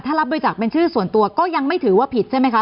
ถ้ารับบริจาคเป็นชื่อส่วนตัวก็ยังไม่ถือว่าผิดใช่ไหมคะ